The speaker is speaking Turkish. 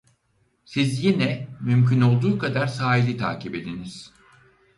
Siz yine mümkün olduğu kadar sahili takip ediniz.